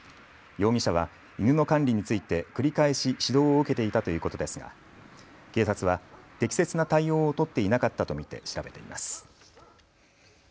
容疑者は犬の管理について繰り返し指導を受けていたということですが警察は適切な対応を取っていなかったと見て調べています。